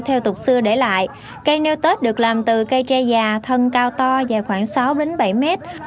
theo tục xưa để lại cây nêu tết được làm từ cây tre già thân cao to dài khoảng sáu đến bảy mét